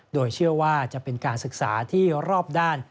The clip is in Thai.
โดยเชื่อว่าจะเป็นการศึกษาที่รอบด้าน